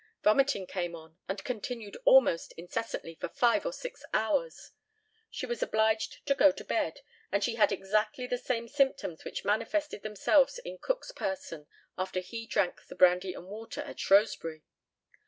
Vomiting came on, and continued almost incessantly for five or six hours. She was obliged to go to bed, and she had exactly the same symptoms which manifested themselves in Cook's person after he drank the brandy and water at Shrewsbury.